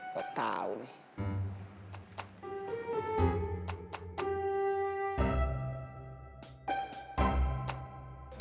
gak tau nih